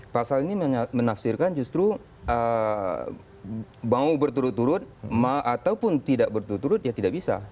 pasal ini menafsirkan justru mau berturut turut ataupun tidak berturut turut ya tidak bisa